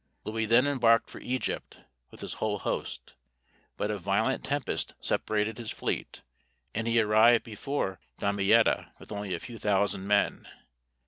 Louis then embarked for Egypt with his whole host; but a violent tempest separated his fleet, and he arrived before Damietta with only a few thousand men.